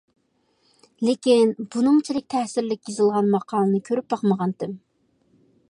لېكىن، بۇنىڭچىلىك تەسىرلىك يېزىلغان ماقالىنى كۆرۈپ باقمىغانىدىم.